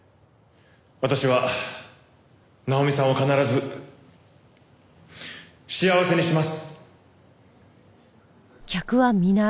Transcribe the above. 私は奈穂美さんを必ず幸せにします。